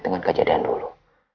dengan kejadian dulu